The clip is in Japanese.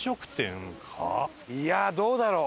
いやどうだろう？